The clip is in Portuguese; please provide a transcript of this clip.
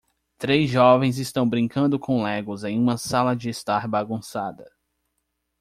Três jovens estão brincando com Legos em uma sala de estar bagunçada.